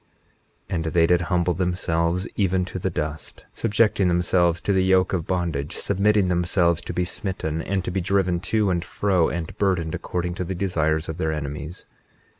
21:13 And they did humble themselves even to the dust, subjecting themselves to the yoke of bondage, submitting themselves to be smitten, and to be driven to and fro, and burdened, according to the desires of their enemies.